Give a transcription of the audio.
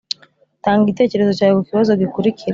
tanga igitekerezo cyawe ku kibazo gikurikira